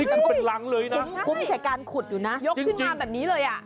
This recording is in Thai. โอ้โฮขุดจากการขุดยกพิงามแบบนี้เลยอะ